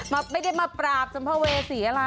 ไม่ได้มาปราบสัมภเวษีอะไร